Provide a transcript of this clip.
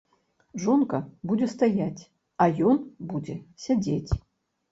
Жонка будзе стаяць, а ён будзе сядзець.